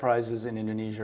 pemerintah di indonesia